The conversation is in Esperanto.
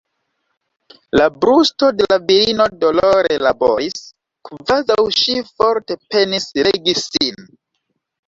La brusto de la virino dolore laboris, kvazaŭ ŝi forte penis regi sin.